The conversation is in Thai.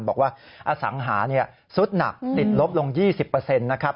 บอกว่าอสังหาสุดหนักติดลบลง๒๐นะครับ